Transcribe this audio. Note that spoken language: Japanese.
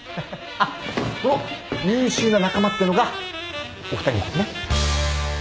あっこの「優秀な仲間」ってのがお二人のことね。